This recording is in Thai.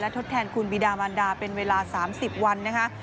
ทดแทนคุณบีดามันดาเป็นเวลา๓๐วันนะคะ